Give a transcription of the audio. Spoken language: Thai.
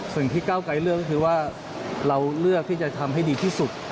สิ่งที่เก้าไกรเลือกก็คือว่าเราเลือกที่จะทำให้ดีที่สุด